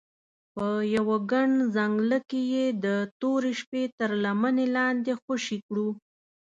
په یوه ګڼ ځنګله کې یې د تورې شپې تر لمنې لاندې خوشې کړو.